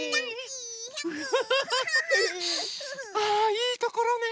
あいいところね